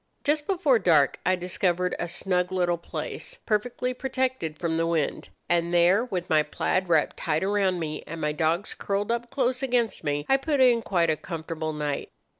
Just before dark I discovered a snug little place, perfectly protected from the wind; and there, with my plaid wrapped tight around me, and my dogs curled up close against me, I put in quite a comfortable night.